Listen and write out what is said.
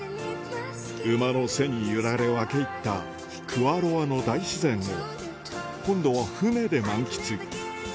馬の背に揺られ、分け入ったクアロアの大自然を、今度は船で満喫。